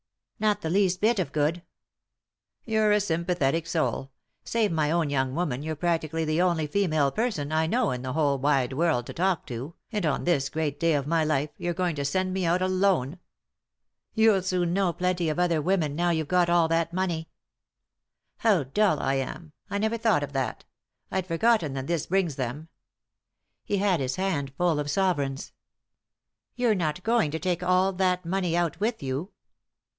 " Not the least bit of good" "You're a sympathetic soul. Save my own young woman, you're practically the only female person I know in the whole wide world to talk to, and, on this great day of my life, you're going to send me out alone." "You'll soon know plenty of other women now you've got all that money." " How dull I am, I never thought of that ; I'd forgotten that this brings them." He had his hand full of sovereigns. "You're not going to take all that money out with you